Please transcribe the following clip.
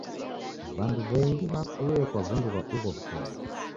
W'andu w'engi w'afue kwa w'undu ghwa ugho w'ukongo.